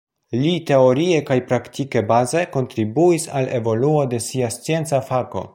Li teorie kaj praktike baze kontribuis al evoluo de sia scienca fako.